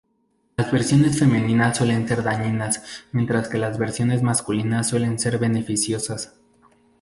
Las versiones femeninas suelen ser dañinas mientras que las versiones masculinas suelen ser beneficiosas.